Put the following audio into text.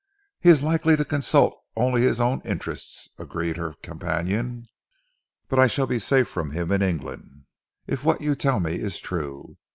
"He is likely to consult only his own interests," agreed her companion. "But I shall be safe from him in England, if what you tell me is true.